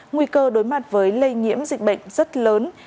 nguy cơ đối mặt với lây nhiễm dịch bệnh rất lớn